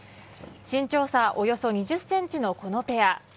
身長差およそ２０センチのこのペア。